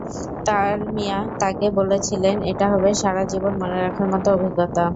ডালমিয়া তাঁকে বলেছিলেন, এটা হবে সারা জীবন মনে রাখার মতো অভিজ্ঞতা।